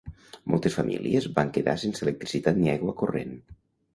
Moltes famílies van quedar sense electricitat ni aigua corrent.